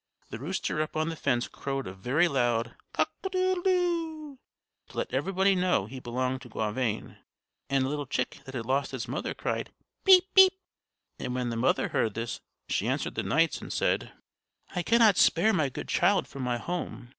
The rooster up on the fence crowed a very loud "Cock a doodle doo!" to let everybody know he belonged to Gauvain; and a little chick that had lost its mother cried, "Peep! peep!" And when the mother heard this, she answered the knights and said: "I cannot spare my good child from my home.